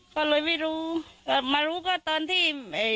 ก็เลยไม่รู้มารู้ก็ตอนที่